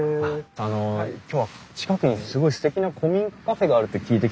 あの今日は近くにすごいすてきな古民家カフェがあるって聞いてきたんですけど。